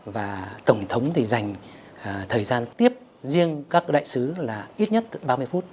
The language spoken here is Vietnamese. và tổng thống thì dành thời gian tiếp riêng các đại sứ là ít nhất ba mươi phút